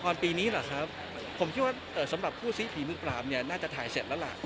ปีนี้แหละครับผมคิดว่าสำหรับคู่ซีฝีมือปราบเนี่ยน่าจะถ่ายเสร็จแล้วล่ะ